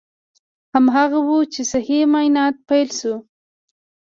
هماغه و چې صحي معاینات پیل شول.